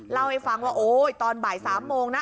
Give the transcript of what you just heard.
เล่าให้ฟังว่าโอ๊ยตอนบ่าย๓โมงนะ